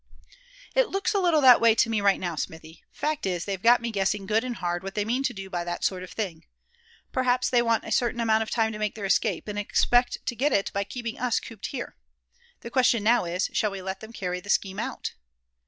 "It looks a little that way to me right now, Smithy; fact is they've got me guessing good and hard what they do mean by that sort of thing. Perhaps they want a certain amount of time to make their escape, and expect to get it by keeping us cooped up here. The question now is, shall we let them carry that scheme out?"